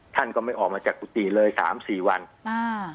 ท่านก็ไม่ออกมาจากกุฏิเลยสามสี่วันอ่า